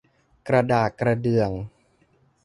กระดากกระเดื่อง